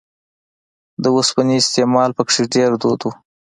د اوسپنې استعمال په کې ډېر دود و